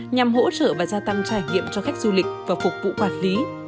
nhằm hỗ trợ và gia tăng trải nghiệm cho khách du lịch và phục vụ quản lý